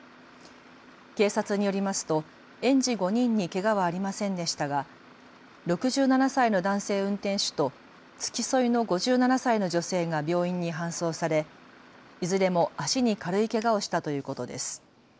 警察によりますと園児５人にけがはありませんでしたが６７歳の男性運転手と付き添いの５７歳の女性が病院に搬送されいずれも足に軽いけがをしたということです。